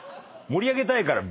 「盛り上げたいから」